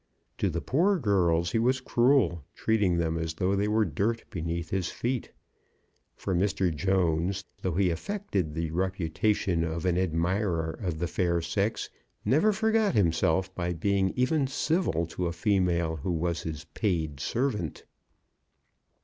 To the poor girls he was cruel, treating them as though they were dirt beneath his feet. For Mr. Jones, though he affected the reputation of an admirer of the fair sex, never forgot himself by being even civil to a female who was his paid servant.